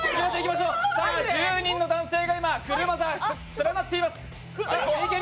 １０人の男性が今、車座、連なっています。